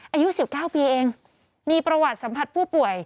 อายุ๑๙ปีเองมีประวัติสัมผัสผู้ป่วย